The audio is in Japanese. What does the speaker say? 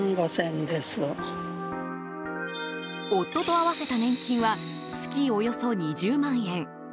夫と合わせた年金は月およそ２０万円。